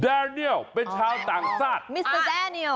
แดเนียลเป็นชาวต่างชาตินะฮะ